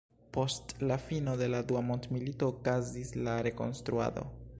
Post la fino de la Dua Mondmilito okazis la rekonstruado.